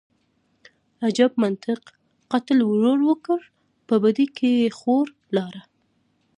_اجب منطق، قتل ورور وکړ، په بدۍ کې يې خور لاړه.